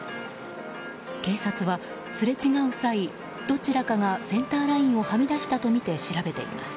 警察はすれ違う際、どちらかがセンターラインをはみ出したとみて調べています。